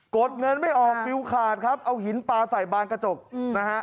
ดเงินไม่ออกฟิวขาดครับเอาหินปลาใส่บานกระจกนะฮะ